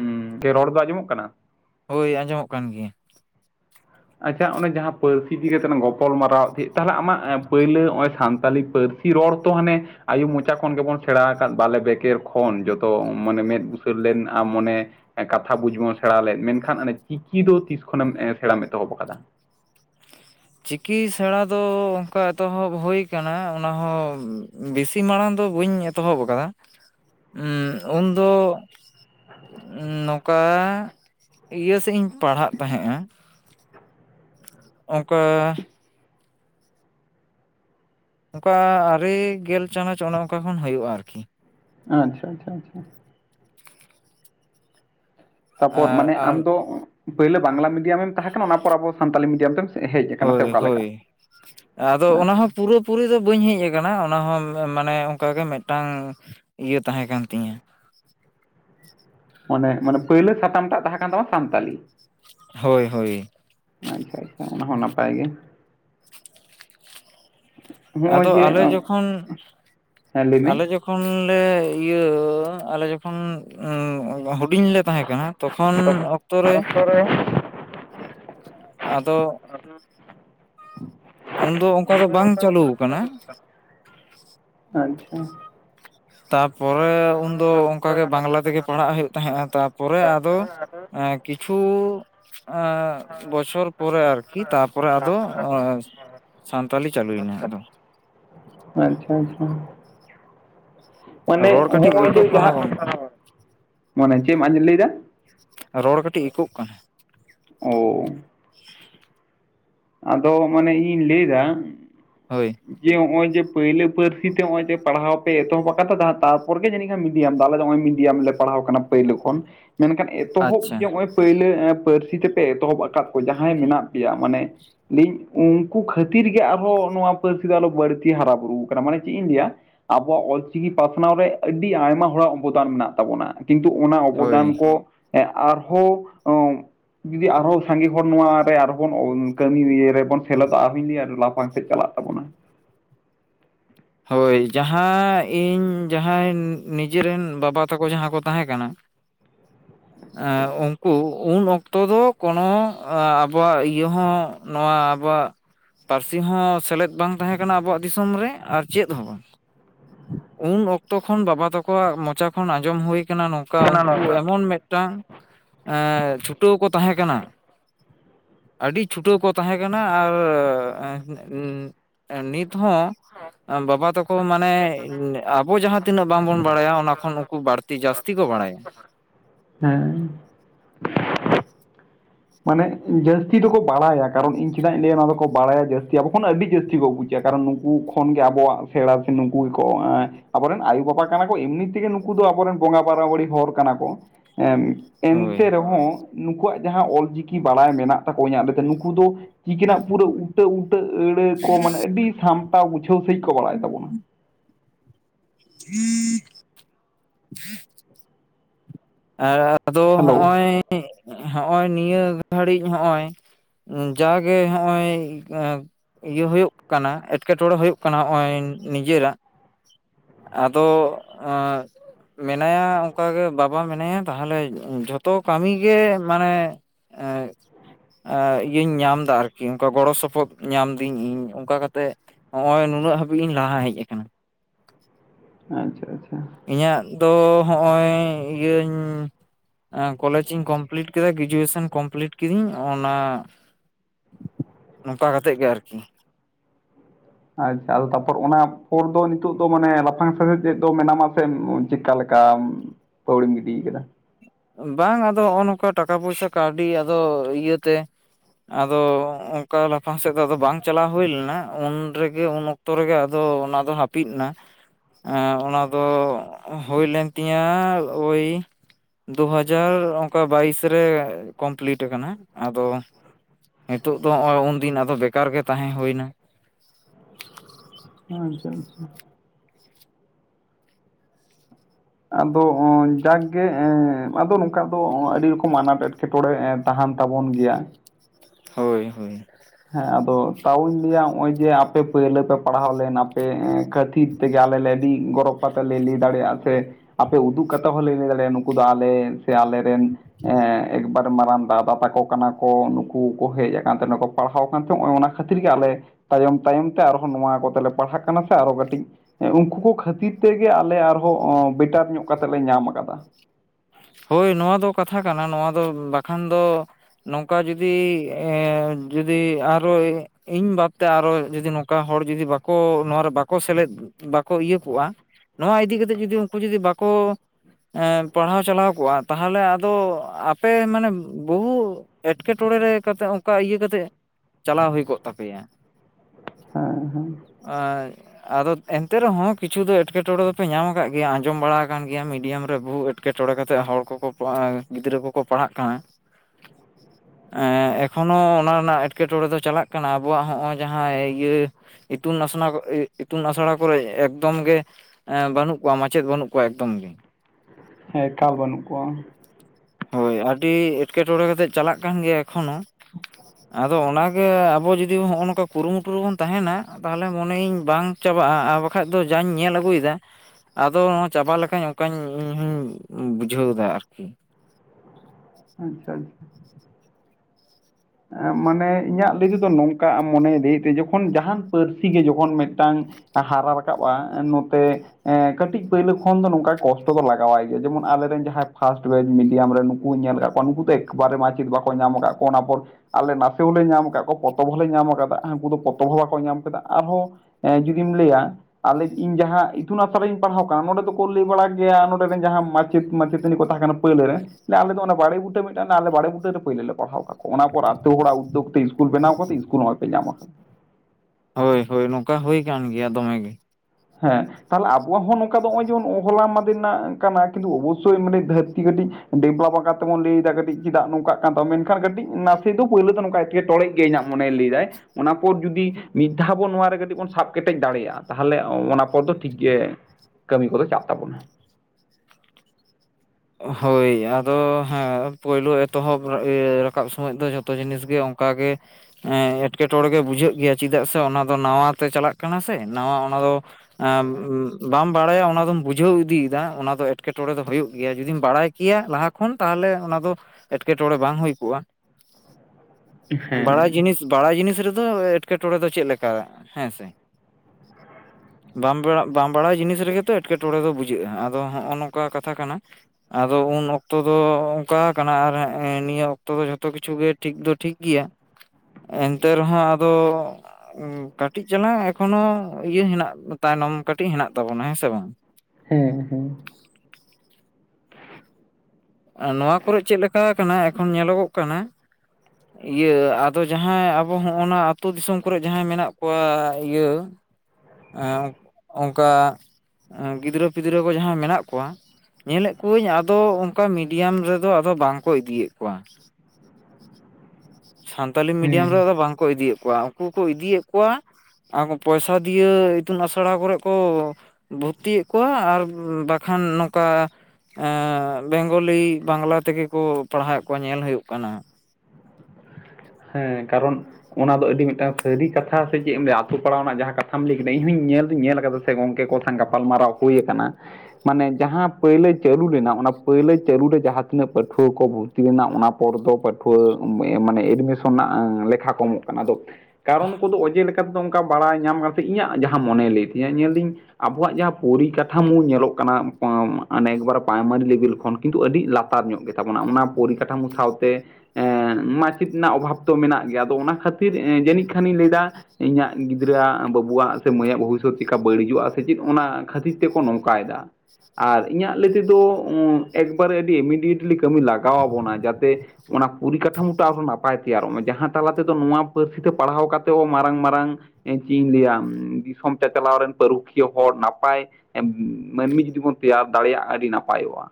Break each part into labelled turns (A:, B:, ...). A: ᱦᱩᱸ ᱨᱚᱲ ᱫᱚ ᱟᱸᱡᱚᱢᱚᱜ ᱠᱟᱱᱟ?
B: ᱦᱳᱭ, ᱟᱸᱡᱚᱢᱚᱜ ᱠᱟᱱ ᱜᱮᱭᱟ᱾
A: ᱟᱪᱷᱟ ᱚᱱᱮ ᱡᱟᱦᱟᱸ ᱯᱟᱹᱨᱥᱤ ᱤᱫᱤ ᱠᱟᱛᱮᱞᱟᱝ ᱜᱚᱯᱚᱞ ᱢᱟᱨᱟᱣᱮᱫ ᱛᱟᱦᱮᱸᱫ ᱛᱟᱦᱚᱞᱮ ᱟᱢᱟᱜ ᱯᱟᱹᱭᱞᱳ ᱱᱚᱜᱼᱚᱭ ᱥᱟᱱᱛᱟᱞᱤ ᱯᱟᱹᱨ ᱥᱤ ᱨᱚᱲ ᱛᱚ ᱦᱟᱱᱮ ᱟᱭᱳ ᱢᱚᱪᱟ ᱠᱷᱚᱱ ᱜᱮᱵᱚᱱ ᱥᱮᱬᱟ ᱟᱠᱟᱫ ᱵᱟᱞᱮ ᱵᱮᱠᱮᱨ ᱠᱷᱚᱱ ᱡᱚᱛᱚ ᱢᱟᱱᱮ ᱢᱮᱫ ᱵᱩᱥᱟᱹᱲ ᱞᱮᱱ ᱟᱢ ᱢᱚᱱᱮ᱾ ᱠᱟᱛᱷᱟ ᱵᱩᱡ ᱵᱚᱱ ᱥᱮᱬᱟ ᱞᱮᱫ ᱢᱮᱱᱠᱷᱟᱱᱮ ᱪᱤᱠᱤ ᱫᱚ ᱛᱤᱥ ᱠᱷᱚᱱᱮᱢ ᱥᱮᱬᱟᱢ ᱮᱛᱚᱦᱚᱵ ᱟᱠᱟᱫᱟ?
B: ᱪᱤᱠᱤ ᱥᱮᱬᱟ ᱫᱚ ᱚᱱᱠᱟ ᱮᱛᱚᱦᱚᱵ ᱦᱩᱭ ᱟᱠᱟᱱᱟ ᱚᱱᱟ ᱦᱚᱸ ᱵᱤᱥᱤ ᱢᱟᱲᱟᱝ ᱫᱚ ᱵᱟᱹᱧ᱾ ᱮᱛᱚᱦᱚᱵ ᱟᱠᱟᱫᱟ ᱩᱱᱫᱚ᱾ ᱱᱚᱠᱟ ᱤᱭᱟᱹ ᱥᱮᱫ ᱤᱧ ᱯᱟᱲᱦᱟᱜ ᱛᱟᱦᱮᱸᱫᱼᱟ᱾ ᱚᱱᱠᱟ᱾ ᱚᱱᱠᱟ ᱟᱨᱮ ᱜᱮᱞ ᱪᱟᱱᱟᱪ ᱚᱱᱮ ᱚᱱᱠᱟ ᱠᱷᱚᱱ ᱦᱩᱭᱩᱜᱼᱟ ᱟᱨᱠᱤ᱾
A: ᱟᱪᱪᱷᱟ ᱟᱪᱪᱷᱟ ᱟᱪᱪᱷᱟ᱾ ᱛᱟᱯᱚᱨ
B: ᱟᱨ
A: ᱢᱟᱱᱮ
B: ᱟᱨ
A: ᱟᱢ ᱫᱚ ᱯᱳᱭᱞᱳ ᱵᱟᱝᱞᱟ ᱢᱤᱰᱤᱭᱟ ᱢᱮᱢ ᱛᱟᱦᱮᱸ ᱠᱟᱱᱟ᱾ ᱚᱱᱟ ᱯᱚᱨ ᱟᱵᱚ ᱥᱟᱱᱛᱟᱞᱤ ᱢᱤᱰᱤᱭᱟᱢ ᱛᱮᱢ ᱾
B: ᱦᱳᱭ ᱦᱳᱭ ᱟᱫᱚ ᱚᱱᱟ
A: ᱟᱪᱪᱷᱟ
B: ᱦᱚᱸ ᱯᱩᱨᱟᱹ᱾ ᱯᱩᱨᱟᱹ ᱫᱚ ᱵᱟᱹᱧ ᱦᱮᱡ ᱟᱠᱟᱱᱟ ᱚᱱᱟ ᱦᱚᱸ ᱢᱟᱱᱮ ᱚᱱᱠᱟ ᱜᱮ ᱢᱤᱫᱴᱟᱝ ᱤᱭᱟᱹ ᱛᱟᱦᱮᱸ ᱠᱟᱱ ᱛᱤᱧᱟᱹ᱾
A: ᱚᱱᱮ ᱢᱟᱱᱮ ᱯᱳᱭᱞᱳ ᱥᱟᱛᱟᱢᱴᱟᱜ ᱛᱟᱦᱮᱸ ᱠᱟᱱ ᱛᱟᱢᱟ ᱥᱟᱱᱛᱟᱞᱤ᱾
B: ᱦᱳᱭ ᱦᱳᱭ᱾
A: ᱟᱪᱷᱟ ᱟᱪᱷᱟ ᱚᱱᱟ ᱦᱚᱸ ᱱᱟᱯᱟᱭ ᱜᱮ᱾ ᱦᱚᱸᱜᱼᱚᱭ
B: ᱟᱫᱚ
A: ᱡᱮ
B: ᱟᱞᱮ ᱡᱚᱠᱷᱚᱱ
A: ᱦᱮᱸ ᱞᱟᱹᱭ ᱢᱮ
B: ᱟᱞᱮ ᱡᱚᱠᱷᱚᱱ᱾ ᱛᱚᱠᱷᱚᱱ ᱞᱮ ᱤᱭᱟᱹ ᱟᱞᱮ ᱡᱚᱠᱷᱚᱱ ᱦᱩᱰᱤᱧ ᱞᱮ ᱛᱟᱦᱮᱸ ᱠᱟᱱᱟ᱾ ᱛᱚᱠᱷᱚᱱ ᱚᱠᱛᱚ ᱨᱮ ᱟᱫᱚ᱾
A: [inaudible]
B: ᱩᱱᱫᱚ ᱚᱱᱠᱟ ᱫᱚ ᱵᱟᱝ ᱪᱟᱹᱞᱩ ᱟᱠᱟᱱᱟ᱾
A: ᱟᱪᱷᱟ᱾
B: ᱛᱟᱯᱚᱨᱮ ᱩᱱᱫᱚ ᱚᱱᱠᱟᱜᱮ ᱵᱟᱝᱞᱟ ᱛᱮᱜᱮ ᱯᱟᱲᱦᱟᱜ ᱦᱩᱭᱩᱜ ᱛᱟᱦᱮᱫᱼᱟ ᱛᱟᱨᱯᱚᱨᱮ ᱟᱫᱚ᱾ ᱠᱤᱪᱷᱩ᱾ ᱟᱸ ᱵᱚᱪᱷᱚᱨ ᱯᱚᱨᱮ ᱟᱨᱠᱤ ᱛᱟᱨᱯᱚᱨᱮ ᱟᱫᱚ ᱾ ᱥᱟᱱᱛᱟᱞᱤ ᱪᱟᱹᱞᱩᱭᱮᱱᱟ ᱟᱫᱚ᱾
A: ᱟᱪᱷᱟ ᱟᱪᱷᱟ᱾ ᱢᱟᱱᱮ
B: ᱨᱚᱲ ᱠᱟᱹᱴᱤᱡ
A: ᱦᱚᱸᱜᱼᱚᱭ ᱡᱮ
B: ᱤᱠᱳᱜ ᱠᱟᱱᱟ
A: ᱡᱟᱦᱟ
B: ᱜᱚᱝ
A: ᱢᱟᱱᱮ ᱪᱮᱫ ᱮᱢ ᱞᱟᱹᱭᱫᱟ?
B: ᱨᱚᱲ ᱠᱟᱹᱴᱤᱡ ᱤᱠᱟᱹᱜ ᱠᱟᱱᱟ᱾
A: ᱦᱳᱭ᱾ ᱟᱫᱚ ᱢᱟᱱᱮ ᱤᱧᱤᱧ ᱞᱟᱹᱭ ᱫᱟ᱾
B: ᱦᱳᱭ᱾
A: ᱡᱮ ᱱᱚᱜᱼᱚᱭ ᱡᱮ ᱯᱳᱭᱞᱳ ᱯᱟᱹᱨᱥᱤ ᱛᱮ ᱱᱚᱜᱼᱚᱭ ᱡᱮ ᱯᱟᱲᱦᱟᱣ ᱯᱮ ᱮᱛᱚᱦᱚᱵ ᱟᱠᱟᱫᱟ ᱛᱟᱯᱚᱨ ᱜᱮ ᱡᱟᱹᱱᱤᱡ᱾ ᱢᱤᱰᱤᱭᱟᱢ ᱫᱚ ᱟᱞᱮ ᱫᱚ ᱱᱚᱜᱼᱚᱭ ᱢᱤᱰᱤᱭᱟᱢ ᱞᱮ ᱯᱟᱲᱦᱟᱣ ᱠᱟᱱᱟ ᱯᱳᱦᱞᱳ ᱠᱷᱚᱱ᱾ ᱢᱮᱱᱠᱷᱟᱱ ᱮᱛᱚᱦᱚᱵ
B: ᱟᱪᱪᱷᱟ
A: ᱡᱮ ᱱᱚᱜᱼᱚᱭ ᱯᱟᱹᱭᱞᱟᱹ ᱯᱟᱹᱨᱥᱤ ᱛᱮᱯᱮ ᱮᱛᱚᱦᱚᱵ ᱟᱠᱟᱫ ᱠᱚ ᱡᱟᱦᱟᱸᱭ ᱢᱮᱱᱟᱜ ᱯᱮᱭᱟ ᱢᱟᱱᱮ᱾ ᱩᱱᱠᱩ ᱠᱷᱟᱹᱛᱤᱨ ᱜᱮ ᱟᱵᱚ ᱱᱚᱣᱟ ᱯᱟᱹᱨᱥᱤ ᱫᱚ ᱟᱞᱚ ᱵᱟᱹᱲᱛᱤ ᱦᱟᱨᱟ ᱵᱩᱨᱩ ᱠᱟᱱᱟ ᱢᱟᱱᱮ ᱪᱮᱫ ᱤᱧ ᱞᱟᱹᱭᱟ? ᱟᱵᱚᱣᱟᱜ ᱚᱞᱪᱤᱠᱤ ᱯᱟᱥᱱᱟᱣ ᱨᱮ ᱟᱹᱰᱤ ᱟᱭᱢᱟ ᱦᱚᱲᱟᱜ ᱚᱵᱚᱫᱟᱱ ᱢᱮᱱᱟᱜ ᱛᱟᱵᱚᱱᱟ᱾ ᱠᱤᱱᱛᱩ ᱚᱱᱟ
B: ᱦᱳᱭ
A: ᱚᱵᱚᱫᱟᱱ ᱠᱚ᱾ ᱟᱨᱦᱚᱸ ᱡᱩᱫᱤ ᱟᱨᱦᱚᱸ ᱥᱟᱸᱜᱮ ᱦᱚᱲ ᱱᱚᱭᱟ ᱨᱮ ᱟᱨᱦᱚᱸ ᱵᱚᱱ᱾ ᱠᱟᱹᱢᱤ ᱤᱭᱟᱹ ᱨᱮᱵᱚᱱ ᱥᱮᱞᱮᱫᱚᱜ-ᱟ ᱟᱨᱦᱚᱧ ᱞᱮᱭᱟ ᱟᱹᱰᱤ ᱞᱟᱯᱷᱟᱝ ᱥᱮᱫ ᱪᱟᱞᱟᱜ ᱛᱟᱵᱚᱱᱟ᱾
B: ᱦᱳᱭ ᱡᱟᱦᱟᱸ ᱤᱧ ᱡᱟᱦᱟᱸᱭ ᱱᱤᱡᱮᱨᱮᱱ ᱵᱟᱵᱟ ᱛᱟᱠᱚ ᱡᱟᱦᱟᱸ ᱠᱚ ᱛᱟᱦᱮᱸ ᱠᱟᱱᱟ᱾
A: [inaudible]
B: ᱩᱱᱠᱩ ᱩᱱ ᱚᱠᱛᱚ ᱫᱚ ᱠᱚᱱᱚ ᱟᱵᱚᱣᱟᱜ ᱤᱭᱟᱹ ᱦᱚᱸ᱾ ᱱᱚᱣᱟ ᱟᱵᱚᱣᱟᱜ ᱯᱟᱹᱨᱥᱤ ᱦᱚᱸ ᱥᱮᱞᱮᱫ ᱵᱟᱝ ᱛᱟᱦᱮᱸ ᱠᱟᱱᱟ ᱟᱵᱚᱣᱟᱜ ᱫᱤᱥᱚᱢ ᱨᱮ ᱟᱨ᱾ ᱪᱮᱫ ᱦᱚᱸ ᱵᱟᱝ ᱩᱱ ᱚᱠᱛᱚ ᱠᱷᱚᱱ ᱵᱟᱵᱟ ᱛᱟᱠᱚᱣᱟᱜ ᱢᱚᱪᱟ ᱠᱷᱚᱱ ᱟᱸᱡᱚᱢ ᱦᱩᱭ᱾ ᱠᱟᱱᱟ ᱱᱚᱝᱠᱟ ᱩᱱᱠᱩ ᱮᱢᱚᱱ ᱢᱤᱫᱴᱟᱝ ᱪᱷᱩᱴᱟᱹᱣ ᱠᱚ ᱛᱟᱦᱮᱸ ᱠᱟᱱᱟ᱾ ᱟᱹᱰᱤ ᱪᱷᱩᱴᱟᱹᱣ ᱠᱚ ᱛᱟᱦᱮᱸ ᱠᱟᱱᱟ ᱟᱨ᱾ ᱱᱤᱛ ᱦᱚᱸ ᱚᱸ ᱵᱟᱵᱟ ᱛᱟᱠᱚ ᱢᱟᱱᱮ ᱟᱵᱚ ᱡᱟᱦᱟᱸ, ᱛᱤᱱᱟᱹᱜ ᱵᱟᱝᱵᱚᱱ ᱵᱟᱲᱟᱭᱟ ᱚᱱᱟ ᱠᱷᱚᱱ ᱩᱱᱠᱩ ᱵᱟᱹᱲᱛᱤ ᱡᱟᱹᱥᱛᱤ ᱠᱚ ᱵᱟᱲᱟᱭᱟ᱾
A: ᱦᱮᱸ, ᱢᱟᱱᱮ ᱡᱟᱹᱥᱛᱤ ᱫᱚᱠᱚ ᱵᱟᱲᱟᱭᱟ ᱠᱟᱨᱚᱱ ᱤᱧ ᱪᱮᱫᱟᱜ ᱤᱧ ᱞᱟᱹᱭᱟ ᱱᱚᱣᱟ ᱫᱚᱠᱚ ᱵᱟᱲᱟᱭᱟ ᱡᱟᱹᱥᱛᱤ ᱟᱵᱚ ᱠᱷᱚᱱ ᱟᱹᱰᱤ ᱡᱟᱹᱥᱛᱤ ᱠᱚ ᱵᱩᱡᱟ᱾ ᱠᱟᱨᱚᱱ ᱱᱩᱠᱩ ᱠᱷᱚᱱ ᱜᱮ ᱟᱵᱚᱣᱟᱜ ᱥᱮᱬᱟ ᱥᱮ ᱱᱩᱠᱩ ᱜᱮᱠᱚ ᱮᱸ ᱟᱵᱚᱨᱮᱱ ᱟᱭᱳᱼᱵᱟᱵᱟ ᱠᱟᱱᱟ ᱠᱚ ᱮᱢᱱᱤ ᱛᱮᱜᱮ ᱱᱩᱠᱩ ᱫᱚ ᱟᱵᱚᱨᱮᱱ ᱵᱚᱸᱜᱟ ᱵᱟᱨᱟᱵᱟᱨᱤ ᱦᱚᱲ ᱠᱟᱱᱟ ᱠᱚ᱾ ᱮᱱᱛᱮ
B: ᱦᱳᱭ
A: ᱨᱮᱦᱚᱸ ᱱᱩᱠᱩᱣᱟᱜ ᱡᱟᱦᱟᱸ ᱚᱞ ᱪᱤᱠᱤ ᱵᱟᱲᱟᱭ ᱢᱮᱱᱟᱜ ᱛᱟᱠᱚᱣᱟ ᱤᱧᱟᱹᱜ ᱞᱟᱹᱭ ᱛᱮ ᱱᱩᱠᱩ ᱫᱚ ᱪᱤᱠᱤ ᱱᱟᱜ ᱯᱩᱨᱟᱹ ᱩᱴᱟᱹ ᱤᱴᱟᱹ ᱟᱹᱲᱟᱹ ᱠᱚ ᱢᱟᱱᱮ ᱟᱹᱰᱤ ᱥᱟᱢᱴᱟᱣ ᱜᱩᱪᱷᱟᱹᱣ ᱥᱟᱺᱦᱤᱡ ᱠᱚ ᱵᱟᱲᱟᱭ ᱛᱟᱵᱚᱱᱟ᱾
B: [inaudible] ᱟᱫᱚ
A: ᱦᱮᱞᱳ
B: ᱦᱚᱸᱜᱼᱚᱭ ᱦᱚᱸᱜ-ᱚᱭ ᱱᱤᱭᱟᱹ ᱜᱷᱟᱹᱲᱤᱡ ᱦᱚᱸᱜ-ᱚᱭ, ᱡᱟ ᱜᱮ ᱦᱚᱸᱜᱼᱚᱭ ᱤᱭᱟᱹ ᱦᱩᱭᱩᱜ ᱠᱟᱱᱟ ᱮᱴᱠᱮᱴᱬᱮ ᱦᱩᱭᱩᱜ ᱠᱟᱱᱟ ᱦᱚᱸᱜᱼᱚᱭ ᱱᱤᱡᱮᱨᱟᱜ᱾ ᱟᱫᱚ, ᱢᱮᱱᱟᱭᱟ ᱚᱱᱠᱟ ᱜᱮ ᱵᱟᱵᱟ ᱢᱮᱱᱟᱭᱟ ᱛᱟᱦᱚᱞᱮ ᱡᱷᱚᱛᱚ ᱠᱟᱹᱢᱤ ᱜᱮ ᱢᱟᱱᱮ, ᱮᱸ
A: [inaudible]
B: ᱤᱭᱟᱹᱧ ᱧᱟᱢᱫᱟ ᱟᱨᱠᱤ ᱚᱱᱠᱟ ᱜᱚᱲᱚ ᱥᱚᱯᱚᱦᱚᱫ ᱧᱟᱢ ᱫᱟᱹᱧ ᱤᱧ ᱚᱱᱠᱟ ᱠᱟᱛᱮᱫ᱾ ᱱᱚᱜ ᱚᱭ ᱱᱩᱱᱟᱹᱜ ᱦᱟᱹᱵᱤᱡ ᱤᱧ ᱞᱟᱦᱟ ᱦᱮᱡ ᱟᱠᱟᱱᱟ᱾
A: ᱟᱪᱪᱷᱟ ᱟᱪᱪᱷᱟ᱾
B: ᱤᱧᱟᱹᱜ ᱫᱚ ᱦᱚᱸᱜᱼᱚᱭ ᱤᱭᱟᱹᱧ ᱠᱚᱞᱮᱡ ᱤᱧ ᱠᱚᱢᱯᱤᱞᱤᱴ ᱠᱮᱫᱟ ᱜᱨᱮᱡᱩᱭᱮᱥᱚᱱ ᱠᱚᱢᱯᱤᱞᱤᱴ ᱠᱤᱫᱤᱧ ᱚᱱᱟ, ᱱᱚᱝᱠᱟ ᱠᱟᱛᱮᱫ ᱜᱮ ᱟᱨᱠᱤ?
A: ᱟᱪᱪᱷᱟ ᱟᱫᱚ ᱛᱟᱨᱯᱚᱨ ᱚᱱᱟ ᱯᱚᱨ ᱫᱚ ᱱᱤᱛᱚᱜ ᱫᱚ ᱢᱟᱱᱮ ᱞᱟᱯᱷᱟᱝ ᱥᱮᱪᱮᱫ ᱪᱮᱫ ᱫᱚ ᱢᱮᱱᱟᱢᱟ ᱥᱮᱢ ᱪᱮᱠᱟ ᱞᱮᱠᱟᱢ ᱯᱟᱹᱣᱲᱤᱢ ᱜᱤᱰᱤ ᱠᱟᱫᱟ?
B: ᱵᱟᱝ ᱟᱫᱚ ᱦᱸᱚᱜᱼᱚ ᱱᱚᱝᱠᱟ ᱴᱟᱠᱟ ᱯᱚᱭᱥᱟ ᱠᱟᱹᱣᱰᱤ ᱟᱫᱚ ᱤᱭᱟᱹᱛᱮ, ᱟᱫᱚ ᱚᱝᱠᱟ ᱞᱟᱯᱷᱟᱝ ᱥᱮᱫ ᱫᱚ ᱟᱫᱚ ᱵᱟᱝ ᱪᱟᱞᱟᱣ ᱦᱩᱭ ᱞᱮᱱᱟ ᱩᱱ ᱨᱮᱜᱮ ᱩᱱ ᱚᱠᱛᱚ ᱨᱮᱜᱮ ᱟᱫᱚ ᱚᱱᱟ ᱫᱚ ᱦᱟᱹᱯᱤᱫ ᱮᱱᱟ᱾ ᱚᱱᱟ ᱫᱚ ᱦᱩᱭ ᱞᱮᱱ ᱛᱤᱧᱟᱹ ᱳᱭ, ᱫᱩ ᱦᱟᱡᱟᱨ ᱚᱝᱠᱟ ᱵᱟᱭᱤᱥ ᱨᱮ ᱠᱚᱢᱯᱤᱞᱤᱴ ᱟᱠᱟᱱᱟ ᱟᱫᱚ, ᱱᱤᱛᱚᱜ ᱫᱚ ᱱᱚᱜᱼᱚᱭ ᱩᱱ ᱫᱤᱱ ᱟᱫᱚ ᱵᱮᱠᱟᱨ ᱜᱮ ᱛᱟᱦᱮᱸ ᱦᱩᱭᱱᱟ᱾
A: ᱟᱪᱪᱷᱟ ᱟᱪᱪᱷᱟ᱾ ᱟᱫᱚ ᱡᱟᱠ ᱜᱮ ᱟᱫᱚ ᱱᱚᱝᱠᱟ ᱫᱚ ᱟᱹᱰᱤ ᱨᱚᱠᱚᱢ ᱟᱱᱟᱴ ᱮᱴᱠᱮᱴᱚᱬᱮ, ᱛᱟᱦᱟᱱ ᱛᱟᱵᱚᱱ ᱜᱮᱭᱟ᱾
B: ᱦᱳᱭ ᱦᱳᱭ᱾
A: ᱦᱮᱸ ᱟᱫᱚ ᱛᱟᱣᱳᱧ ᱞᱟᱹᱭᱟ ᱱᱚᱜᱼᱚᱭ ᱡᱮ ᱟᱯᱮ ᱯᱟᱹᱭᱞᱟᱹ ᱯᱮ ᱯᱟᱲᱦᱟᱣ ᱞᱮᱱ ᱟᱯᱮ ᱠᱟᱹᱛᱷᱤᱛ ᱛᱮ ᱜᱮ ᱟᱞᱮ-ᱞᱮ ᱟᱰᱤ ᱜᱚᱨᱚᱵ ᱠᱟᱛᱮ ᱞᱮ ᱞᱮᱭ ᱫᱟᱲᱮᱭᱟ-ᱟ ᱥᱮ? ᱟᱯᱮ ᱩᱫᱩᱜ ᱠᱟᱛᱮ ᱦᱚᱸᱞᱮ ᱞᱟᱹᱭ ᱫᱟᱲᱮᱭᱟᱜᱼᱟ ᱱᱩᱠᱩ ᱫᱚ ᱟᱞᱮ ᱥᱮ ᱟᱞᱮᱨᱮᱱ, ᱮᱸ ᱮᱠᱵᱟᱨᱮ ᱢᱟᱨᱟᱝ ᱫᱟᱫᱟ ᱛᱟᱠᱚ ᱠᱟᱱᱟ ᱠᱚ ᱱᱩᱠᱩ ᱠᱚ ᱦᱮᱡ ᱟᱠᱟᱱ ᱛᱟᱦᱮᱱᱟ ᱠᱚ᱾ ᱯᱟᱲᱦᱟᱣ ᱠᱟᱱ ᱛᱮ ᱱᱚᱜᱼᱚᱭ ᱚᱱᱟ ᱠᱷᱟᱹᱛᱤᱨ ᱜᱮ ᱟᱞᱮ ᱛᱟᱭᱚᱢ ᱛᱟᱭᱚᱢ ᱛᱮ ᱟᱨᱦᱚᱸ ᱱᱚᱣᱟ ᱠᱚᱛᱮ ᱞᱮ ᱯᱟᱲᱦᱟᱜ ᱠᱟᱱᱟ ᱥᱮ ᱟᱨᱦᱚ ᱠᱟᱹᱴᱤᱡ, ᱩᱱᱠᱩ ᱠᱚ ᱠᱷᱟᱹᱛᱤᱨ ᱛᱮᱜᱮ ᱟᱞᱮ ᱟᱨᱦᱚᱸ ᱵᱮᱴᱟᱨ ᱧᱚᱜ ᱠᱟᱛᱮ ᱞᱮ ᱧᱟᱢ ᱠᱟᱫᱟ᱾
B: ᱦᱳᱭ ᱱᱚᱣᱟ ᱫᱚ ᱠᱟᱛᱷᱟ ᱠᱟᱱᱟ ᱱᱚᱣᱟ ᱫᱚ ᱵᱟᱠᱷᱟᱱ ᱫᱚ ᱱᱚᱝᱠᱟ ᱡᱩᱫᱤ, ᱡᱩᱫᱤ ᱟᱨᱚ ᱤᱧ ᱵᱟᱵᱛᱮ ᱟᱨᱚ ᱡᱩᱫᱤ ᱱᱚᱝᱠᱟ ᱦᱚᱲ ᱡᱩᱫᱤ ᱵᱟᱠᱚ ᱱᱚᱣᱟᱨᱮ ᱵᱟᱠᱚ ᱥᱮᱞᱮᱫ ᱵᱟᱠᱚ ᱤᱭᱟᱹ ᱠᱚᱜᱼᱟ᱾ ᱱᱚᱣᱟ ᱤᱫᱤ ᱠᱟᱛᱮᱜ ᱡᱩᱫᱤ ᱩᱱᱠᱩ ᱡᱩᱫᱤ ᱵᱟᱠᱚ ᱦᱮᱸ ᱯᱟᱲᱦᱟᱣ ᱪᱟᱞᱟᱣ ᱠᱚᱣᱟ ᱛᱟᱦᱚᱞᱮ ᱟᱫᱚ ᱟᱯᱮ ᱢᱟᱱᱮ ᱵᱚᱦᱩ ᱮᱸᱴᱠᱮᱴᱚᱬᱮ ᱨᱮ ᱠᱟᱛᱮ ᱚᱱᱠᱟ ᱤᱭᱟᱹ ᱠᱟᱛᱮ ᱪᱟᱞᱟᱣ ᱦᱩᱭ ᱠᱚᱜ ᱛᱟᱯᱮᱭᱟ ᱾
A: ᱦᱮᱸ ᱦᱮᱸ‌᱾
B: ᱟᱸᱭ ᱟᱫᱚ ᱮᱱᱛᱮ ᱨᱮᱦᱚᱸ ᱠᱤᱪᱷᱩ ᱫᱚ ᱮᱴᱠᱮᱴᱚᱬᱮ ᱫᱚᱯᱮ ᱧᱟᱢ ᱟᱠᱟᱫ ᱜᱮᱭᱟ ᱟᱸᱡᱚᱢ ᱵᱟᱲᱟ ᱟᱠᱟᱱ ᱜᱮᱭᱟ ᱢᱤᱰᱤᱭᱟᱢ ᱨᱮ ᱵᱚᱦᱩ ᱮᱴᱠᱮᱴᱚᱬᱮ ᱠᱟᱛ ᱛᱮ ᱦᱚᱲ ᱠᱚᱠᱚ ᱜᱤᱫᱽᱨᱟᱹ ᱠᱚᱠᱚ ᱯᱟᱲᱦᱟᱜ ᱠᱟᱱᱟ ᱾
A: [inaudible]
B: ᱮᱸ ᱮᱠᱷᱚᱱᱚ ᱚᱱᱟ ᱨᱮᱱᱟᱜ ᱮᱸᱴᱠᱮᱴᱚᱬᱮ ᱫᱚ ᱪᱟᱞᱟᱜ ᱠᱟᱱᱟ ᱟᱵᱚᱣᱟᱜ ᱦᱚᱸᱜᱼᱚᱭ ᱡᱟᱦᱟᱸᱭ ᱤᱭᱟᱹ ᱤᱛᱩᱱ ᱟᱥᱱᱟ ᱤᱛᱩᱱ ᱟᱥᱲᱟ ᱠᱚᱨᱮ ᱮᱠᱫᱚᱢ ᱜᱮ ᱮᱸ ᱵᱟᱹᱱᱩᱜ ᱠᱚᱣᱟ ᱢᱟᱪᱮᱫ, ᱵᱟᱹᱱᱩᱜ ᱠᱚᱣᱟ ᱮᱠᱫᱚᱢ ᱜᱮ ᱾
A: ᱦᱮᱸ ᱮᱠᱟᱞ ᱵᱟᱹᱱᱩᱜ ᱠᱚᱣᱟ ᱾
B: ᱦᱳᱭ ᱟᱰᱤ ᱮᱸᱴᱠᱮᱴᱚᱬᱮ ᱠᱟᱛᱮᱜ ᱪᱟᱞᱟᱜ ᱠᱟᱱ ᱜᱮᱭᱟ ᱮᱠᱷᱚᱱᱚ ᱾ ᱟᱫᱚ ᱚᱱᱟᱜᱮ ᱟᱵᱚ ᱡᱩᱫᱤ ᱦᱚᱜᱼᱚ ᱱᱚᱝᱠᱟ ᱠᱩᱨᱩᱢᱩᱴᱩ ᱨᱮᱵᱚᱱ ᱛᱟᱦᱮᱱᱟ ᱛᱟᱦᱚᱞᱮ ᱢᱚᱱᱮᱭᱤᱧ ᱵᱟᱝ ᱪᱟᱵᱟᱜᱼᱟ ᱟ ᱵᱟᱠᱷᱟᱡ ᱫᱚ ᱡᱟᱧ ᱧᱮᱞ ᱟᱹᱜᱩᱭᱮᱫᱟ ᱟᱫᱚ ᱚᱸᱻ ᱪᱟᱵᱟ ᱞᱮᱠᱷᱟᱧ ᱚᱝᱠᱟᱧ ᱤᱧᱦᱩᱧ ᱵᱩᱡᱷᱟᱹᱣ ᱮᱫᱟ ᱟᱨᱠᱤ ᱾
A: ᱟᱪᱪᱷᱟ ᱟᱪᱪᱷᱟ ᱾ ᱮᱸᱜ ᱢᱟᱱᱮ ᱤᱧᱟᱹᱜ ᱞᱟᱹᱭ ᱛᱮᱫᱚ ᱱᱚᱝᱠᱟ ᱟ ᱢᱚᱱᱮᱭ ᱫᱤᱭ ᱛᱮ ᱡᱚᱠᱷᱚᱱ ᱡᱟᱦᱟᱱ ᱯᱟᱹᱨᱥᱤ ᱜᱮ ᱡᱚᱠᱷᱚᱱ ᱢᱤᱫᱴᱟᱝ ᱦᱟᱨᱟ ᱨᱟᱠᱟᱵᱼᱟ ᱮ ᱱᱚᱛᱮ ᱠᱟᱹᱴᱤᱡ ᱯᱳᱭᱞᱳ ᱠᱷᱚᱱ ᱫᱚ ᱱᱚᱝᱠᱟ ᱠᱚᱥᱴᱚ ᱫᱚ ᱞᱟᱜᱟᱣᱟᱭ ᱜᱮᱭᱟ ᱡᱮᱢᱚᱱ ᱟᱞᱮᱨᱮᱱ ᱡᱟᱦᱟᱸᱭ ᱯᱷᱟᱥᱴ ᱵᱷᱮᱡᱽ ᱢᱤᱰᱤᱭᱟᱢ ᱨᱮ ᱱᱩᱠᱩ ᱧᱮᱞ ᱠᱟᱜ ᱩᱱᱠᱩ ᱛᱚ ᱮᱠᱵᱟᱨᱮ ᱢᱟᱪᱮᱫ ᱵᱟᱠᱚ ᱧᱟᱢ ᱟᱠᱟᱫ ᱠᱚ ᱚᱱᱟ ᱯᱚᱨ ᱟᱞᱮ ᱱᱟᱥᱮ ᱦᱚᱸ ᱞᱮ ᱧᱟᱢ ᱟᱠᱟᱫ ᱠᱚ ᱯᱚᱛᱚᱵ ᱦᱚᱸᱞᱮ ᱧᱟᱢ ᱟᱠᱟᱫᱟ ᱩᱱᱠᱩ ᱫᱚ ᱯᱚᱛᱚᱵ ᱦᱚᱸ ᱵᱟᱠᱚ ᱧᱟᱢ ᱠᱟᱫᱟ ᱟᱨᱦᱚ ᱮᱸ ᱡᱩᱫᱤᱢ ᱞᱟᱹᱭᱟ ᱟᱞᱮ ᱤᱧ ᱡᱟᱦᱟᱸ ᱤᱛᱩᱱ ᱟᱥᱲᱟ ᱨᱤᱧ ᱯᱟᱲᱦᱟᱣ ᱠᱟᱱᱟ ᱱᱚᱰᱮ ᱫᱚᱠᱚ ᱞᱟᱹᱭ ᱵᱟᱲᱟ ᱜᱮᱭᱟ ᱱᱚᱰᱮᱱ ᱡᱟᱦᱟᱸ ᱢᱟᱪᱮᱫ ᱢᱟᱪᱮᱛᱟᱹᱱᱤ ᱠᱚ ᱛᱟᱦᱮᱸ ᱠᱟᱱᱟ ᱯᱳᱭᱞᱳ ᱨᱮ ᱞᱮ ᱟᱞᱮ ᱫᱚ ᱚᱱᱟ ᱵᱟᱲᱮ ᱵᱩᱴᱟᱹ ᱢᱤᱫᱴᱟᱝ ᱟᱞᱮ ᱵᱟᱲᱮ ᱵᱩᱴᱟᱹ ᱨᱮ ᱯᱳᱭᱞᱳ ᱞᱮ ᱯᱟᱲᱦᱟᱣ ᱠᱟᱜ ᱠᱚᱣᱟ ᱚᱱᱟ ᱯᱚ ᱟᱛᱳ ᱦᱚᱲᱟᱜ ᱩᱫᱽᱫᱳᱜᱽ ᱛᱮ ᱤᱥᱠᱩᱞ ᱵᱮᱱᱟᱣ ᱠᱟᱛᱮ ᱤᱥᱠᱩᱞ ᱦᱚᱸᱚᱭ ᱯᱮ ᱧᱟᱢ ᱟᱠᱟᱫᱟ ᱾
B: ᱦᱳᱭ ᱦᱳᱭ ᱱᱚᱝᱠᱟ ᱦᱳᱭ ᱟᱠᱟᱱ ᱜᱮᱭᱟ ᱫᱚᱢᱮ ᱜᱮ ᱾
A: ᱦᱮᱸ ᱾ ᱛᱟᱦᱚᱞᱮ ᱟᱵᱚᱣᱟᱜ ᱦᱚᱸ ᱱᱚᱝᱠᱟ ᱫᱚ ᱱᱚᱜᱼᱚᱭ ᱡᱮᱢᱚᱱ ᱦᱚᱞᱟ ᱢᱟᱫᱮ ᱨᱮᱱᱟᱜ ᱠᱟᱱᱟ ᱠᱤᱱᱛᱩ ᱚᱵᱚᱥᱥᱳᱭ ᱢᱟᱱᱮ ᱫᱷᱟᱹᱨᱛᱤ ᱠᱟᱹᱴᱤᱡ ᱰᱮᱵᱷᱞᱚᱯ ᱟᱠᱟᱫ ᱛᱮᱵᱚᱱ ᱞᱟᱹᱭᱮᱫᱟ ᱠᱟᱹᱴᱤᱡ ᱪᱮᱫᱟᱜ ᱱᱚᱝᱠᱟᱜ ᱠᱟᱱ ᱛᱟᱢ ᱢᱮᱱᱠᱷᱟᱱ ᱠᱟᱹᱴᱤᱡ ᱱᱟᱥᱮ ᱫᱚ ᱯᱳᱭᱞᱳ ᱫᱚ ᱱᱚᱝᱠᱟ ᱜᱮ ᱠᱮᱴᱚᱲᱮᱡ ᱜᱮ ᱤᱧᱟᱹᱜ ᱢᱚᱱᱮᱭ ᱞᱟᱹᱭᱮᱫᱟᱭ ᱾ ᱚᱱᱟ ᱯᱚᱨ ᱡᱩᱫᱤ ᱢᱤᱫ ᱫᱷᱟᱣ ᱵᱚᱱ ᱱᱚᱣᱟᱨᱮ ᱠᱟᱹᱴᱤᱡ ᱵᱚᱱ ᱥᱟᱵ ᱠᱮᱴᱮᱡ ᱫᱟᱲᱮᱭᱟᱜᱼᱟ ᱛᱟᱦᱟᱞᱮ ᱚᱱᱟ ᱯᱚᱨ ᱫᱚ ᱴᱷᱤᱠ ᱜᱮ ᱠᱟᱹᱢᱤ ᱠᱚᱫᱚ ᱪᱟᱜ ᱛᱟᱵᱚᱱᱟ ᱾
B: ᱦᱳᱭ ᱟᱫᱚ ᱦᱮᱸ ᱯᱳᱭᱞᱳ ᱮᱛᱚᱦᱚᱵ ᱨᱟᱠᱟᱵ ᱥᱳᱢᱚᱡ ᱫᱚ ᱡᱷᱚᱛᱚ ᱡᱤᱱᱤᱥ ᱚᱝ ᱠᱟ ᱜᱮ ᱮᱸᱴᱠᱮᱴᱚᱬᱮ ᱜᱮ ᱵᱩᱡᱷᱟᱹᱜ ᱜᱮᱭᱟ ᱪᱤᱫᱟᱜ ᱥᱮ ᱚᱱᱟ ᱫᱚ ᱱᱟᱣᱟᱛᱮ ᱪᱟᱞᱟᱜ ᱠᱟᱱᱟ ᱥᱮ ᱱᱟᱣᱟ ᱚᱱᱟ ᱫᱚ ᱟᱸ- ᱵᱟᱢ ᱵᱟᱲᱟᱭᱟ ᱚᱱᱟᱫᱚᱢ ᱵᱩᱡᱷᱟᱹᱣ ᱤᱫᱤᱭᱮᱫᱟ ᱚᱱᱟ ᱫᱚ ᱮᱴᱠᱮᱴᱚᱬᱮ ᱫᱚ ᱦᱳᱭᱩᱜ ᱜᱮᱭᱟ, ᱡᱩᱫᱤᱢ ᱵᱟᱲᱟᱭ ᱠᱮᱭᱟ ᱞᱟᱦᱟ ᱠᱷᱚᱱ ᱛᱟᱦᱚᱞᱮ ᱚᱱᱟ ᱫᱚ ᱮᱴᱠᱮᱴᱚᱬᱮ ᱵᱟᱝ ᱦᱩᱭ ᱠᱚᱜᱼᱟ ᱾
A: [inaudible]
B: ᱵᱟᱲᱟᱭ
A: ᱦᱮᱸ᱾
B: ᱡᱤᱱᱤᱥ ᱵᱟᱲᱟᱭ ᱡᱤᱱᱤᱥ ᱨᱮᱫᱚ ᱮᱸᱴᱠᱮᱴᱚᱬᱮ ᱫᱚ ᱪᱮᱫ ᱞᱮᱠᱟ ᱦᱮᱸ ᱥᱮ? ᱵᱟᱢ ᱵᱟ ᱵᱟᱢ ᱵᱟᱲᱟᱭ ᱡᱤᱱᱤᱥ ᱨᱮᱜᱮ ᱛᱚ ᱮᱴᱠᱮᱴᱚᱬᱮ ᱫᱚ ᱵᱩᱡᱷᱟᱹᱜᱼᱟ ᱟᱫᱚ ᱦᱚᱸᱜᱼᱚ ᱱᱚᱝᱠᱟ ᱠᱟᱛᱷᱟ ᱠᱟᱱᱟ ᱾
A: [inaudible]
B: ᱟᱫᱚ ᱩᱱ ᱚᱠᱛᱚ ᱫᱚ ᱚᱝᱠᱟ ᱠᱟᱱᱟ ᱟᱨ ᱦᱮᱸᱜ ᱱᱤᱭᱟᱹ ᱚᱠᱛᱚ ᱫᱚ ᱡᱷᱚᱛᱚ ᱠᱤᱪᱷᱩ ᱜᱮ ᱴᱷᱤᱠ ᱫᱚ ᱴᱷᱤᱠ ᱜᱤᱭᱟ ᱾ ᱮᱱᱛᱮ ᱨᱮᱦᱚᱸ ᱟᱫᱚ ᱠᱟᱹᱴᱤᱡ ᱪᱟᱞᱟᱝ ᱮᱠᱷᱚᱱᱚ ᱤᱭᱟᱹ ᱦᱮᱱᱟᱜ ᱛᱟᱭᱱᱚᱢ ᱠᱟᱹᱴᱤᱡ ᱦᱮᱱᱟᱜ ᱛᱟᱵᱚᱱᱟ ᱦᱮᱸ ᱥᱮ ᱵᱟᱝ?
A: ᱦᱮᱸ ᱦᱮᱸ ᱾
B: ᱮᱸ ᱱᱚᱣᱟ ᱠᱚᱨᱮ ᱪᱮᱜ ᱞᱮᱠᱟ ᱟᱠᱟᱱᱟ ᱮᱠᱷᱚᱱ ᱧᱮᱞᱚᱜᱚᱜ ᱠᱟᱱᱟ
A: [inaudible]
B: ᱤᱭᱟᱹ ᱟᱫᱚ ᱡᱟᱦᱟᱸᱭ ᱟᱵᱚ ᱦᱚᱸᱜ-ᱚᱱᱟ ᱟᱹᱛᱩ ᱫᱤᱥᱚᱢ ᱠᱚᱨᱮ ᱡᱟᱦᱟᱸᱭ ᱢᱮᱱᱟᱜ ᱠᱚᱣᱟ ᱤᱭᱟᱹ ᱮᱸᱜ ᱚᱝᱠᱟ ᱜᱤᱫᱽᱨᱟᱹ-ᱯᱤᱫᱽᱨᱟᱹ ᱠᱚ ᱡᱟᱦᱟᱸᱭ ᱢᱮᱱᱟᱜ ᱠᱚᱣᱟ ᱧᱮᱞᱮᱫ ᱠᱚᱣᱟᱹᱧ ᱟᱫᱚ ᱚᱝᱠᱟ ᱢᱤᱰᱤᱭᱟᱢ ᱨᱮᱫᱚ ᱟᱫᱚ ᱵᱟᱝᱠᱚ ᱤᱫᱤᱭᱮᱜ ᱠᱚᱣᱟ᱾ ᱥᱟᱱᱛᱟᱞᱤ ᱢᱤᱰᱤᱭᱟᱢ
A: ᱦᱮᱸ᱾
B: ᱨᱮᱫᱚ ᱵᱟᱝᱠᱚ ᱤᱫᱤᱭᱮᱫ ᱠᱚᱣᱟ, ᱩᱝᱠᱩ ᱠᱚ ᱤᱫᱤᱭᱮᱜ ᱠᱚᱣᱟ, ᱟᱨ ᱯᱚᱭᱥᱟ ᱫᱤᱭᱮ ᱤᱛᱩᱱ ᱟᱥᱲᱟ ᱠᱚᱨᱮᱜ ᱠᱚ ᱵᱷᱚᱛᱛᱤᱭᱮᱜ ᱠᱚᱣᱟ ᱟᱨ ᱵᱟᱠᱷᱟᱱ ᱱᱚᱝᱠᱟ ᱮᱸᱻ ᱵᱮᱝᱜᱚᱞᱤ ᱵᱟᱝᱞᱟ ᱛᱮᱜᱮ ᱠᱚ ᱯᱟᱲᱦᱟᱣᱮᱜ ᱠᱚᱣᱟ ᱧᱮᱞ ᱦᱩᱭᱩᱜ ᱠᱟᱱᱟ᱾
A: ᱦᱮᱸ ᱠᱟᱨᱚᱱ ᱚᱱᱟ ᱫᱚ ᱟᱹᱰᱤ ᱢᱤᱫᱴᱟᱝ ᱥᱟᱹᱨᱤ ᱠᱟᱛᱷᱟ ᱥᱮ ᱪᱮᱫ ᱮᱢ ᱞᱟᱹᱭᱟ, ᱟᱛᱳ ᱯᱟᱲᱟᱣ ᱨᱮᱱᱟᱜ ᱡᱟᱦᱟᱸ ᱠᱟᱛᱷᱟᱢ ᱞᱟᱹᱭ ᱠᱮᱫ ᱤᱧᱦᱚᱧ ᱧᱮᱞ ᱫᱩᱧ ᱧᱮᱞ ᱠᱟᱫᱟ᱾ ᱜᱚᱝᱠᱮ ᱠᱚ ᱥᱟᱝ ᱜᱟᱯᱟᱞᱢᱟᱨᱟᱣ ᱦᱩᱭ ᱟᱠᱟᱱᱟ᱾ ᱢᱟᱱᱮ ᱡᱟᱦᱟᱸ ᱯᱟᱹᱭᱞᱟᱹ ᱪᱟᱹᱞᱩ ᱞᱮᱱᱟ, ᱚᱱᱟ ᱯᱟᱹᱭᱞᱟᱹ ᱪᱟᱹᱞᱩ ᱨᱮ ᱡᱟᱦᱟᱸ ᱛᱤᱱᱟᱹᱜ ᱯᱟᱹᱴᱷᱩᱣᱟᱹ ᱠᱚᱵᱚᱱ ᱨᱮᱱᱟᱜ ᱚᱱᱟ ᱯᱚᱨ ᱫᱚ ᱯᱟᱹᱴᱷᱩᱣᱟᱹ ᱢᱟᱱᱮ ᱮᱰᱢᱤᱥᱚᱱ ᱨᱮᱱᱟᱜ ᱞᱮᱠᱷᱟ ᱠᱚᱢᱚᱜ ᱠᱟᱱᱟ᱾ ᱟᱫᱚ ᱠᱟᱨᱚᱱ ᱠᱚᱫᱚ ᱚᱡᱮ ᱞᱮᱠᱟ ᱞᱮᱠᱟ ᱛᱮᱫᱚ ᱚᱱᱠᱟ ᱵᱟᱲᱟᱭ ᱧᱟᱢ ᱟᱨ ᱥᱮ ᱤᱧᱟᱜ ᱡᱟᱦᱟᱸ ᱢᱚᱱᱮᱭ ᱞᱟᱹᱭ ᱛᱤᱧᱟᱹ, ᱧᱮᱞ ᱫᱤᱧ ᱟᱵᱚᱣᱟᱜ ᱡᱟᱦᱟᱸ ᱯᱚᱨᱤᱠᱟᱴᱷᱟᱢᱳ ᱧᱮᱞᱚᱜ ᱠᱟᱱᱟ ᱟᱱᱮ ᱮᱠᱵᱟᱨᱮ ᱯᱨᱟᱭᱢᱟᱨᱤ ᱞᱮᱵᱮᱞ ᱠᱷᱚᱱ, ᱠᱤᱱᱛᱩ ᱟᱹᱰᱤ ᱞᱟᱛᱟᱨ ᱧᱚᱜ ᱜᱮᱛᱟᱵᱚᱱᱟ ᱚᱱᱟ ᱯᱚᱨᱤᱠᱟᱴᱷᱟᱢ ᱥᱟᱶᱛᱮ ᱢᱟᱪᱮᱫ ᱨᱮᱱᱟᱜ ᱚᱵᱷᱟᱵᱽ ᱦᱚᱸᱛᱚ ᱢᱮᱱᱟᱜ ᱜᱮᱭᱟ ᱟᱫᱚ ᱚᱱᱟ ᱠᱷᱟᱹᱛᱤᱨ ᱡᱟᱹᱱᱤᱡ ᱠᱷᱟᱱᱤᱧ ᱞᱟᱹᱭᱫᱟ ᱤᱧᱟᱹᱜ ᱜᱤᱫᱽᱨᱟᱹ ᱟᱜ, ᱵᱟᱹᱵᱩᱣᱟᱜ ᱥᱮ ᱢᱟᱹᱭᱟᱜ ᱵᱷᱚᱵᱤᱥᱚᱛ ᱪᱮᱠᱟ ᱵᱟᱹᱲᱤᱡᱚᱜ-ᱟ ᱥᱮ ᱪᱮᱫ ᱚᱱᱟ ᱠᱷᱟᱹᱛᱤᱨ ᱛᱮᱠᱚ ᱱᱚᱝᱠᱟᱭᱮᱫᱟ᱾ ᱟᱨ ᱤᱧᱟᱹᱜ ᱞᱟᱹᱭ ᱛᱮᱫᱚ ᱮᱠᱵᱟᱨ ᱟᱹᱰᱤ ᱤᱢᱤᱰᱤᱭᱮᱴᱞᱤ ᱠᱟᱹᱢᱤ ᱞᱟᱜᱟᱣᱟᱵᱚᱱᱟ ᱡᱟᱛᱮ ᱚᱱᱟ ᱯᱚᱨᱠᱟᱴᱟᱢᱳ ᱴᱟ ᱟᱨᱦᱚᱸ ᱱᱟᱯᱟᱭ ᱛᱮᱭᱟᱨᱚᱜ ᱢᱟ᱾ ᱡᱟᱦᱟᱸ ᱛᱟᱞᱟ ᱛᱮᱫᱚ ᱱᱚᱣᱟ ᱯᱟᱹᱨᱥᱤ ᱛᱮ ᱯᱟᱲᱦᱟᱣ ᱠᱟᱛᱮ ᱦᱚᱸ ᱢᱟᱨᱟᱝ ᱢᱟᱨᱟᱝ ᱪᱮᱫ ᱤᱧ ᱞᱟᱹᱭᱟ ᱫᱤᱥᱚᱢ ᱪᱟ ᱪᱟᱞᱟᱣ ᱨᱮᱱ ᱯᱟᱹᱨᱩᱠᱷᱤᱭᱟᱹ ᱦᱚᱲ ᱱᱟᱯᱟᱭ ᱮᱢ, ᱢᱟᱹᱱᱢᱤ ᱡᱩᱫᱤ ᱵᱚᱱ ᱛᱮᱭᱟᱨ ᱫᱟᱲᱮᱭᱟᱜ-ᱟ ᱟᱹᱰᱤ ᱱᱟᱯᱟᱭᱚᱜ-ᱟ᱾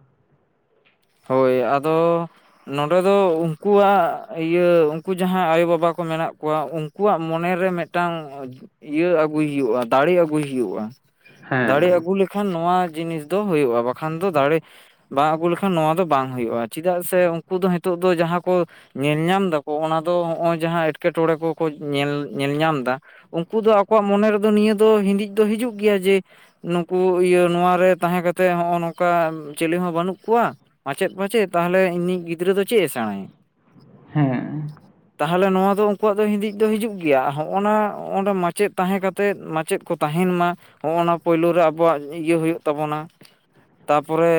B: ᱦᱳᱭ, ᱟᱫᱚ ᱱᱚᱸᱰᱮ ᱫᱚ ᱩᱝᱠᱩᱣᱟᱜ ᱤᱭᱟᱹ ᱩᱝᱠᱩ ᱡᱟᱦᱟᱸᱭ ᱟᱭᱳᱵᱟᱵᱟ ᱠᱚ ᱢᱮᱱᱟᱜ ᱠᱚᱣᱟ ᱩᱝ ᱠᱩᱣᱟᱜ ᱢᱚᱱᱮ ᱨᱮ ᱢᱤᱫᱴᱟᱝ ᱤᱭᱟᱹ ᱟᱹᱜᱩᱭ ᱦᱩᱭᱩᱜ-ᱟ, ᱫᱟᱲᱮ ᱟᱹᱜᱩᱭ ᱦᱩᱭᱩᱜ-ᱟ᱾ ᱫᱟᱲᱮ
A: ᱦᱮᱸ
B: ᱟᱹᱜᱩ ᱞᱮᱠᱷᱟᱱ ᱱᱚᱣᱟ ᱡᱤᱱᱤᱥ ᱫᱚ ᱦᱩᱭᱩᱜ-ᱟ ᱵᱟᱠᱷᱟᱱ ᱫᱚ ᱫᱟᱲᱮ ᱵᱟᱝ ᱟᱹᱜᱩ ᱞᱮᱠᱷᱟ ᱱᱚᱣᱟ ᱫᱚ ᱵᱟᱝ ᱦᱩᱭᱩᱜ-ᱟ᱾ ᱪᱮᱫᱟᱜ ᱥᱮ ᱩᱱᱠᱩ ᱫᱚ ᱦᱤᱸᱛᱳᱜ ᱫᱚ ᱡᱟᱦᱟᱸ ᱠᱚ ᱧᱮᱞ ᱧᱟᱢ ᱫᱟᱠᱚ, ᱚᱱᱟ ᱫᱚ ᱱᱚᱜ ᱚᱭ ᱡᱟᱦᱟᱸ ᱮᱸᱴᱠᱮᱴᱚᱬᱮ ᱠᱚᱠᱚ ᱧᱮᱞ ᱧᱮᱞ ᱧᱟᱢᱫᱟ᱾ ᱩᱱᱠᱩ ᱫᱚ ᱟᱠᱚᱣᱟᱜ ᱢᱚᱱᱮ ᱨᱮᱫᱚ ᱱᱤᱭᱟᱹ ᱫᱚ ᱦᱤᱫᱤᱡ ᱫᱚ ᱦᱤᱡᱩᱜ ᱜᱮᱭᱟ ᱡᱮ, ᱱᱩᱠᱩ ᱤᱭᱟᱹ ᱱᱚᱣᱟᱨᱮ ᱛᱟᱦᱮᱸ ᱠᱟᱛᱮᱜ ᱦᱚᱸᱜ-ᱚ ᱱᱚᱝᱠᱟ ᱪᱤᱞᱤ ᱦᱚᱸ ᱵᱟᱹᱱᱩᱜ ᱠᱚᱣᱟ᱾ ᱢᱟᱪᱮᱫ ᱢᱟᱪᱮᱫ ᱛᱟᱦᱞᱮ ᱤᱧᱤᱡ ᱜᱤᱫᱽᱨᱟᱹ ᱫᱚ ᱪᱮᱫ-ᱮ ᱥᱮᱬᱟᱭᱟ?
A: ᱦᱮᱸ᱾
B: ᱛᱟᱦᱞᱮ ᱱᱚᱣᱟ ᱫᱚ ᱩᱝᱠᱩᱣᱟᱜ ᱫᱚ ᱦᱤᱸᱫᱤᱡ ᱫᱚ ᱦᱤᱡᱩᱜ ᱜᱮᱭᱟ ᱦᱚᱸᱜ-ᱚ ᱱᱟ ᱚᱸᱰᱮ ᱢᱟᱪᱮᱫ ᱛᱟᱦᱮᱸ ᱠᱟᱛᱮ ᱛᱮᱫ, ᱢᱟᱪᱮᱫ ᱠᱚ ᱛᱟᱸᱦᱮᱱ ᱢᱟ, ᱦᱚᱸᱜ-ᱚᱱᱟ ᱯᱳᱭᱞᱳ ᱨᱮ ᱟᱵᱚᱣᱟᱜ ᱤᱭᱟᱹ ᱦᱩᱭᱩᱜ ᱛᱟᱵᱚᱱᱟ᱾ ᱛᱟᱯᱚᱨᱮ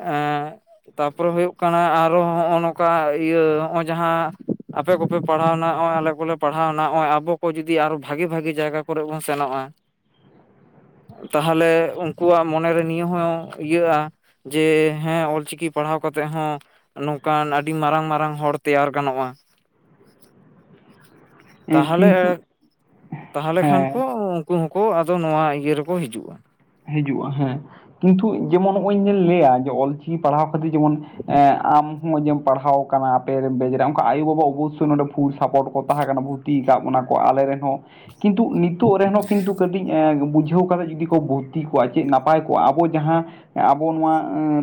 B: ᱮᱸᱻ ᱛᱟᱯᱚᱨᱮ ᱦᱩᱭᱩᱜ ᱠᱟᱱᱟ ᱟᱨᱚ ᱦᱚᱸᱜ-ᱚ ᱱᱚᱝᱠᱟ ᱤᱭᱟᱹ ᱦᱚᱸᱜ-ᱚ ᱡᱟᱦᱟᱸ ᱟᱯᱮ ᱠᱚᱯᱮ ᱯᱟᱲᱦᱟᱣᱱᱟ, ᱦᱚᱸᱜ-ᱚ ᱟᱞᱮ ᱠᱚᱞᱮ ᱯᱟᱲᱦᱟᱣᱱᱟ ᱦᱚᱸᱜ-ᱚᱭ ᱟᱵᱚ ᱠᱚ ᱡᱩᱫᱤ ᱟᱨᱚ ᱵᱷᱟᱜᱤ ᱵᱷᱟᱜᱤ ᱡᱟᱭᱜᱟ ᱠᱚᱨᱮ ᱵᱚᱱ ᱥᱮᱱᱚᱜ-ᱟ᱾
A: [inaudible]
B: ᱛᱟᱦᱞᱮ ᱩᱝᱠᱩᱣᱟᱜ ᱢᱚᱱᱮᱨᱮ ᱱᱤᱭᱟᱹ ᱦᱚᱸ ᱤᱭᱟᱹᱜ-ᱟ ᱡᱮ ᱦᱮᱸ ᱚᱞᱪᱤᱠ ᱪᱤᱠᱤ ᱯᱟᱲᱦᱟᱣ ᱠᱟᱛᱮᱜ ᱦᱚᱸ ᱱᱚᱝᱠᱟᱱ ᱟᱹᱰᱤ ᱢᱟᱨᱟᱝ ᱢᱟᱨᱟᱝ ᱦᱚᱲ ᱛᱮᱭᱟᱨ ᱜᱟᱱᱚᱜ-ᱟ᱾ ᱛᱟᱦᱞᱮ,
A: ᱠᱤᱱᱛᱩ
B: ᱛᱟᱦᱞᱮ ᱠᱷᱟᱱ
A: ᱦᱮᱸ
B: ᱠᱚ ᱩᱝ ᱩᱱᱠᱩ ᱟᱫᱚ ᱱᱚᱣᱟ ᱤᱭᱟᱹ ᱨᱮᱠᱚ ᱦᱤᱡᱩᱜᱼᱟ ᱾
A: ᱦᱤᱡᱩᱜᱼᱟ ᱦᱮᱸ ᱠᱤᱱᱛᱩ ᱡᱮᱢᱚᱱ ᱱᱚᱸᱜᱼᱚᱭ ᱞᱟᱹᱭᱟ ᱚᱞᱤ ᱠᱤ ᱯᱟᱲᱦᱟᱣ ᱠᱷᱟᱹᱛᱤᱨ ᱡᱮᱢᱚᱱ ᱮ ᱟᱢ ᱱᱚᱸᱜᱼᱚᱭ ᱡᱮᱢ ᱯᱟᱲᱦᱟᱣ ᱠᱟᱱᱟ ᱟᱯᱮ ᱵᱮᱡᱨᱮᱨᱮᱱ ᱚᱱᱠᱟ ᱟᱭᱳᱼᱵᱟ ᱚᱵᱚᱥᱳ ᱱᱚᱸᱰᱮ ᱯᱷᱩᱞ ᱥᱟᱯᱚᱴ ᱠᱚ ᱛᱟᱦᱮᱸ ᱠᱟᱱᱟ ᱵᱷᱩ ᱛᱤ ᱠᱟᱜ ᱵᱚᱱᱟ ᱠᱚ ᱵᱚᱱᱟ ᱠᱚ ᱟᱞᱮ ᱨᱮᱱᱦᱚᱸ ᱠᱤᱱᱛᱩ ᱱᱤᱛᱚᱜ ᱨᱮᱦᱚᱸ ᱠᱤᱱᱛᱩ ᱠᱟᱹᱴᱤᱡ ᱵᱩᱡᱷᱟᱹᱣ ᱠᱟᱫᱟ ᱡᱩᱫᱤ ᱠᱚ ᱵᱩ ᱛᱤ ᱠᱚᱜᱼᱟ ᱪᱮᱫ ᱱᱟᱯᱟᱭ ᱠᱚᱜᱼᱟ ᱟᱵᱚ ᱡᱟᱦᱟᱸ ᱟᱵᱚ ᱱᱚᱣᱟ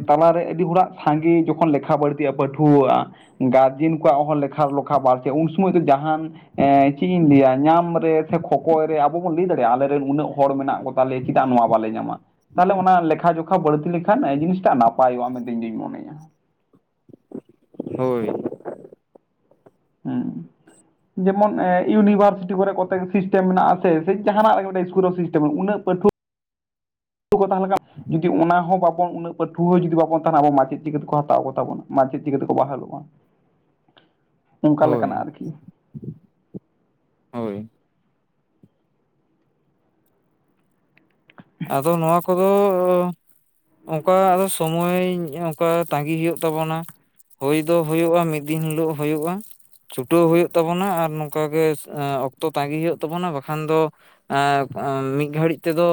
A: ᱛᱟᱞᱟᱨᱮ ᱟᱹᱰᱤ ᱦᱚᱲᱟᱜ ᱥᱟᱸᱜᱮ ᱡᱚᱠᱷᱚᱱ ᱞᱮᱠᱷᱟ ᱵᱟᱹᱲᱛᱤᱜᱼᱟ ᱯᱟᱹᱴᱷᱩᱣᱟᱹᱣᱟᱜ ᱜᱟᱨᱡᱮᱱ ᱠᱚᱣᱟᱜ ᱦᱚᱸ ᱞᱮᱠᱷᱟ ᱞᱚᱠᱷᱟ ᱵᱟᱨᱛᱤᱜᱼᱟ ᱩᱱ ᱥᱚᱢᱚᱭ ᱫᱚ ᱡᱟᱦᱟᱸᱱ ᱮᱸ ᱪᱮᱫ ᱤᱧ ᱞᱟᱹᱭᱟ ᱧᱟᱢ ᱨᱮ ᱥᱮ ᱠᱷᱚᱠᱚᱭ ᱨᱮ ᱟᱵᱚ ᱵᱚᱱ ᱞᱟᱹᱭ ᱫᱟᱲᱮᱭᱟᱜᱼᱟ ᱟᱞᱮᱨᱮ ᱨᱮᱱ ᱩᱱᱟᱹᱜ ᱦᱚᱲ ᱢᱮᱱᱟᱜ ᱠᱚ ᱛᱟᱞᱮ ᱪᱮᱫᱟᱜ ᱱᱚᱶᱟ ᱵᱟᱞᱮ ᱧᱟᱢᱟ ᱛᱟᱦᱚᱞᱮ ᱚᱱᱟ ᱞᱮᱠᱷᱟ ᱡᱚᱠᱷᱟ ᱵᱟᱹᱲᱛᱤ ᱞᱮᱠᱷᱟᱱ ᱡᱤᱱᱤᱥᱴᱟᱜ ᱱᱟᱯᱟᱭᱚᱜᱼᱟ ᱢᱮᱱᱛᱮ ᱤᱧᱫᱩᱧ ᱢᱚᱱᱮᱭᱟ᱾
B: ᱦᱳᱭ᱾
A: ᱦᱩᱸ᱾ ᱡᱮᱢᱚᱱ ᱤᱭᱩᱱᱤᱵᱷᱟᱨᱥᱤᱴᱤ ᱠᱚᱨᱮ ᱠᱚᱛᱮ ᱥᱤᱥᱴᱮᱢ ᱢᱮᱱᱟᱜᱼᱟᱥᱮ ᱥᱮ ᱡᱟᱦᱟᱸᱱᱟᱜ ᱨᱮ ᱢᱤᱫᱴᱮᱡ ᱤᱥᱠᱩᱞ ᱨᱮ ᱥᱤᱥᱴᱮᱢ ᱢᱮᱱᱟᱜᱼᱟ ᱩᱱᱟᱹᱜ ᱯᱟᱹᱴᱷᱩᱣᱟᱹ ᱠᱚ ᱛᱟᱦᱮᱸ ᱞᱮᱱᱠᱷᱟᱱ ᱡᱩᱫᱤ ᱚᱱᱟ ᱦᱚᱸ ᱵᱟᱵᱚᱱ ᱩᱱᱟᱹᱜ ᱯᱟᱹᱴᱷᱩᱟᱹ ᱡᱩᱫᱤ ᱵᱟᱵᱚᱱ ᱛᱟᱦᱮᱸᱱᱟ ᱟᱵᱚ ᱢᱟᱪᱮᱫ ᱪᱤᱠᱟᱹ ᱠᱚ ᱦᱟᱛᱟᱣ ᱠᱚ ᱛᱟᱵᱚᱱ ᱢᱟᱪᱮᱫ ᱪᱤᱠᱟᱹᱛᱮᱠᱚ ᱵᱟᱦᱟᱞᱚᱜᱼᱟ? ᱚᱱᱠᱟ ᱞᱮᱠᱟᱱᱟᱜ
B: ᱦᱳᱭ
A: ᱟᱨᱠᱤ
B: ᱦᱳᱭ᱾ ᱟᱫᱚ ᱱᱚᱣᱟ ᱠᱚᱫᱚ ᱚᱱᱠᱟ ᱟᱫᱚ ᱥᱚᱢᱚᱭ ᱚᱱᱠᱟ ᱛᱟᱸᱜᱤ ᱦᱩᱭᱩᱜ ᱛᱟᱵᱚᱱᱟ᱾ ᱦᱳᱭ ᱫᱚ ᱦᱳᱭᱳᱜᱼᱟ ᱢᱤᱫ ᱫᱤᱱ ᱦᱤᱞᱳᱜ ᱦᱩᱭᱳᱜᱼᱟ᱾ ᱪᱷᱩᱴᱟᱹᱣ ᱦᱩᱭᱩᱜ ᱛᱟᱵᱚᱱᱟ ᱟᱨ ᱱᱚᱝᱠᱟᱜᱮ ᱚᱠᱛᱚ ᱛᱟᱜᱤ ᱦᱩᱭᱩᱜ ᱛᱟᱵᱚᱱᱟ ᱵᱟᱠᱷᱟᱱ ᱫᱚ ᱟ ᱟᱸᱫ ᱢᱤᱫ ᱜᱷᱟᱹᱲᱤᱡ ᱛᱮᱫᱚ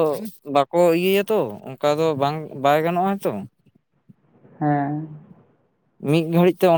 B: ᱵᱟᱠᱚ ᱤᱭᱟᱹᱭᱟᱛᱚ ᱚᱱᱠᱟ ᱫᱚ ᱵᱟᱝ ᱵᱟᱭ ᱜᱟᱱᱚᱜᱼᱟ ᱛᱚ᱾
A: ᱦᱮᱸ᱾
B: ᱢᱤᱫ ᱜᱷᱟᱹᱲᱤᱡ ᱛᱮ ᱚᱱᱟ